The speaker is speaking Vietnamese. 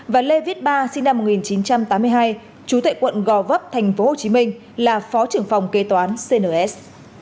và lê viết ba sinh năm một nghìn chín trăm tám mươi hai chú tại quận gò vấp tp hcm là phó trưởng phòng kế toán cns